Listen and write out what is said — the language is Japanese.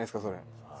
それ。